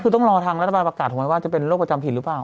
คือต้องรอทางรัฐบาลประกาศถูกไหมว่าจะเป็นโรคประจำผิดหรือเปล่า